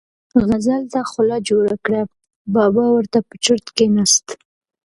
غزل ته خوله جوړه کړه، بابا ور ته په چرت کېناست.